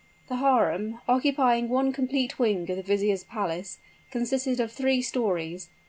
The harem, occupying one complete wing of the vizier's palace, consisted of three stories.